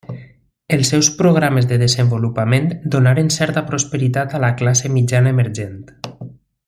Els seus programes de desenvolupament donaren certa prosperitat a la classe mitjana emergent.